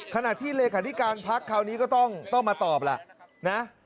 ขณะที่เลขาธิการพักคราวนี้ก็ต้องมาตอบล่ะนะ